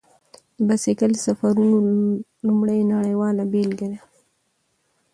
د بایسکل سفرونو لومړنی نړیواله بېلګه دی.